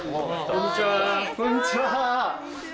こんにちは。